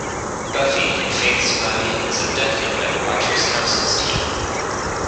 Buffy, in Faith's body, is abducted by the Watchers Council's team.